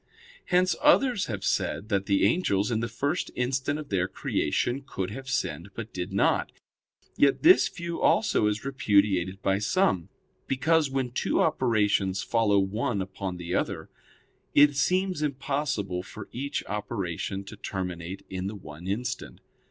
Hence others have said that the angels, in the first instant of their creation, could have sinned, but did not. Yet this view also is repudiated by some, because, when two operations follow one upon the other, it seems impossible for each operation to terminate in the one instant.